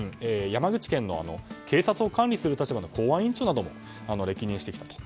山口県の警察を管理する立場の公安委員長なども歴任してきたと。